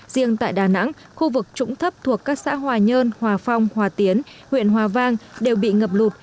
riêng tại đà nẵng khu vực trũng thấp thuộc các xã hòa nhơn hòa phong hòa tiến huyện hòa vang đều bị ngập lụt